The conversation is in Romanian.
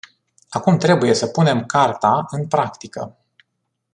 Acum trebuie să punem carta în practică.